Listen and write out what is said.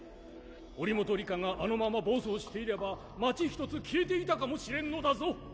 祈本里香があのまま暴走していれば町１つ消えていたかもしれんのだぞ。